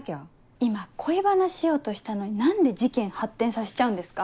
今恋バナしようとしたのに何で事件発展させちゃうんですか？